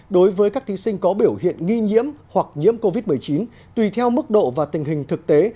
đối với các thí sinh có biểu hiện nghi nhiễm hoặc nhiễm covid một mươi chín tùy theo mức độ và tình hình thực tế